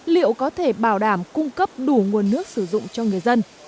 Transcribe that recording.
liệu có thể bảo đảm cung cấp đủ nguồn nước sử dụng cho người dân